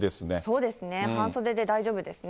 そうですね、半袖で大丈夫ですね。